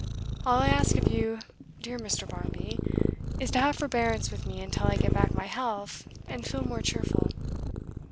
All I ask of you, dear Mr. Barmby, is to have forbearance with me until I get back my health and feel more cheerful.